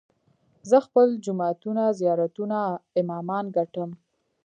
زه خپل جوماتونه، زيارتونه، امامان ګټم